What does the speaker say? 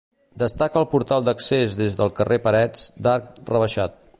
Destaca el portal d'accés des del carrer Parets, d'arc rebaixat.